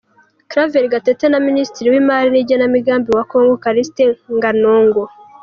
Claver Gatete na Minisitiri w’Imari n’Igenamigambi wa Congo, Calixte Nganongo.